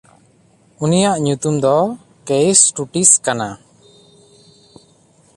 ᱩᱱᱤᱭᱟᱜ ᱧᱩᱛᱩᱢ ᱫᱚ ᱠᱮᱭᱥᱴᱩᱴᱤᱥ ᱠᱟᱱᱟ᱾